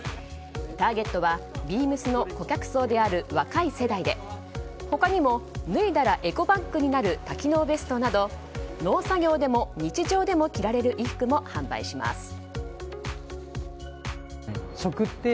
ターゲットはＢＥＡＭＳの顧客層である若い世代で他にも脱いだらエコバッグになる多機能ベストなど農作業でも日常でも着られる衣服も販売します。